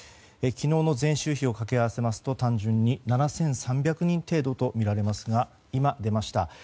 昨日の前週比をかけ合わせますと単純に７３００人程度とみられますが今、出ました。